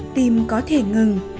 tim có thể ngừng